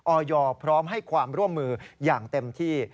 ออยพร้อมให้ความร่วมมืออย่างเต็มที่